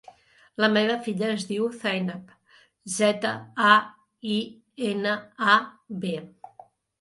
La meva filla es diu Zainab: zeta, a, i, ena, a, be.